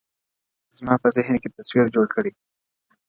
زما په ذهن كي تصوير جوړ كړي _